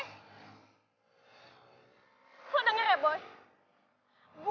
saya tidak bisa apa apa begitu